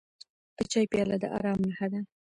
د چای پیاله د ارام نښه ده.